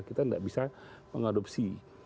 kita tidak bisa mengadopsi